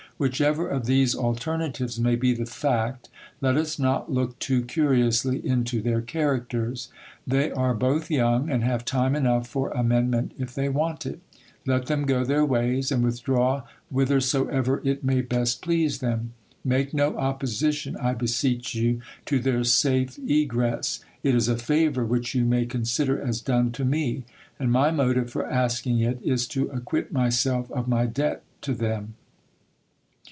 Whichever of these alternatives may be the fact, let us not look too curiously into their characters. They are both young, and have time enough for amendment if they want it ; let them go their ways, and withdraw whithersoever it may best please them. Make no opposition, I beseech you, to their safe egress ; it is a favour which you may consider as done t<5 me, and my motive for asking it is to acquit myself of my debt to them.